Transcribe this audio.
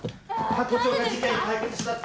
ハコ長が事件解決したって。